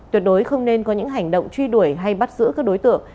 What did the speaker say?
tuyệt đối không nên có những hành động truy đuổi hay bắt giữ các đối tượng